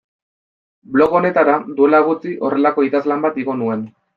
Blog honetara duela gutxi horrelako idazlan bat igo nuen.